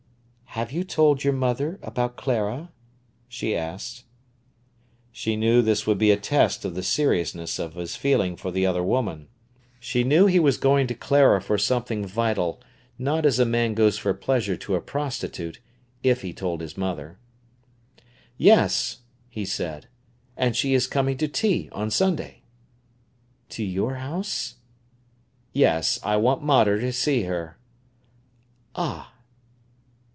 "Have you told your mother about Clara?" she asked. She knew this would be a test of the seriousness of his feeling for the other woman: she knew he was going to Clara for something vital, not as a man goes for pleasure to a prostitute, if he told his mother. "Yes," he said, "and she is coming to tea on Sunday." "To your house?" "Yes; I want mater to see her." "Ah!"